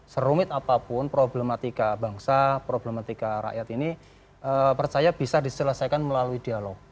serumit apapun problematika bangsa problematika rakyat ini percaya bisa diselesaikan melalui dialog